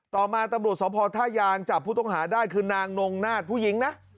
ต่อมาตำรวจสภท่ายางจับผู้ต้องหาได้คือนางนงนาฏผู้หญิงนะ